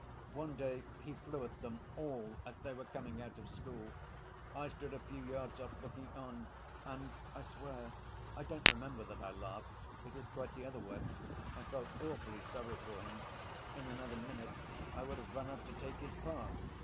One day he flew at them all as they were coming out of school. I stood a few yards off, looking on. And, I swear, I don't remember that I laughed; it was quite the other way, I felt awfully sorry for him, in another minute I would have run up to take his part.